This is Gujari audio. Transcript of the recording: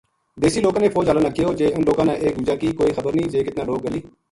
دیسی لوکاں نے فوج ہالاں نا کہیو جے انھ لوکاں نا ایک دوجاں کی کوئی خبر نیہہ جے کتنا لوک گلی